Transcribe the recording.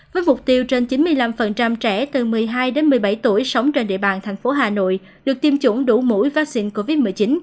với mục tiêu trên chín mươi năm trẻ từ một mươi hai đến một mươi bảy tuổi sống trên địa bàn thành phố hà nội được tiêm chủng đủ mũi vaccine covid một mươi chín